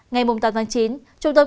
ngày tám chín trung tâm công tác xã hội